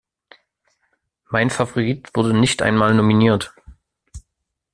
Mein Favorit wurde nicht einmal nominiert.